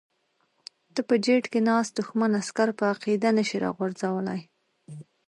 ته په جیټ کې ناست دښمن عسکر په عقیده نشې راغورځولی.